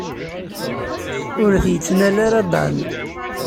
Ur t-yettnal ara Dan.